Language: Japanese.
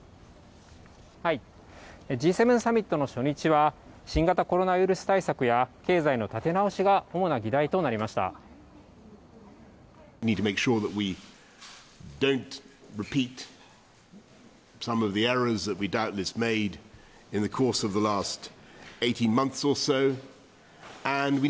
Ｇ７サミットの初日は、新型コロナウイルス対策や、経済の立て直しが主な議題となりました。